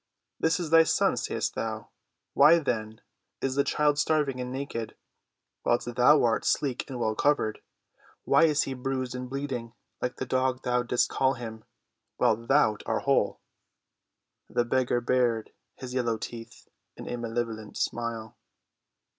"This is thy son, sayst thou? Why, then, is the child starving and naked, whilst thou art sleek and well covered? Why is he bruised and bleeding like the dog thou didst call him, whilst thou art whole?" The beggar bared his yellow teeth in a malevolent smile.